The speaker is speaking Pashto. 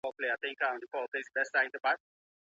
که سړکونه روښانه وي، نو د شپې غلاوې نه کیږي.